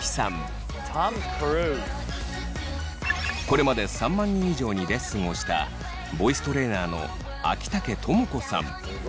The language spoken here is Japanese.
これまで３万人以上にレッスンをしたボイストレーナーの秋竹朋子さん。